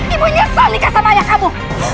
ibu nyesel nikah sama ayah kamu